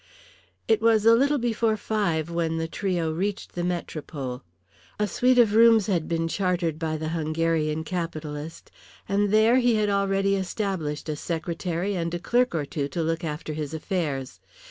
It was a little before five when the trio reached the Metropole. A suite of rooms had been chartered by the Hungarian capitalist, and there he had already established a secretary and a clerk or two to look after his affairs.